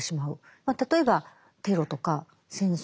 例えばテロとか戦争